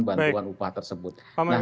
bantuan upah tersebut